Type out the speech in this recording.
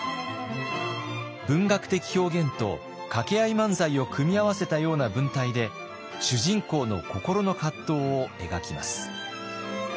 文学的表現と掛け合い漫才を組み合わせたような文体で主人公の心の葛藤を描きます。